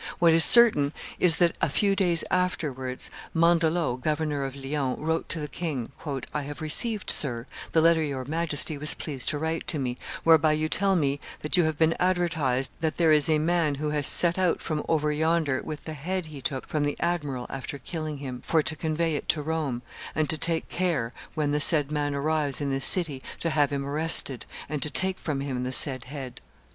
What is certain is that, a few days afterwards, Mandelot, governor of Lyons, wrote to the king, "I have received, sir, the letter your Majesty was pleased to write to me, whereby you tell me that you have been advertised that there is a man who has set out from over yonder with the head he took from the admiral after killing him, for to convey it to Rome, and to take care, when the said man arrives in this city, to have him arrested, and to take from him the said head.